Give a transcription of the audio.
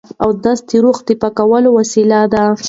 اودس د روح د پاکوالي وسیله ده.